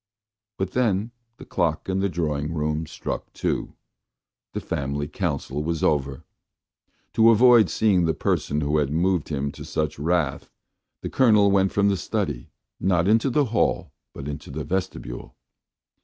But then the clock in the drawing room struck two. The family council was over. To avoid seeing the person who had moved him to such wrath, the Colonel went from the study, not into the hall, but into the vestibule.